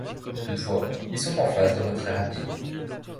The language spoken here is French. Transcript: Toutefois, ils sont en phase de retrait rapide.